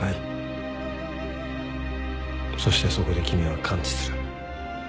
そしてそこで君は完治する。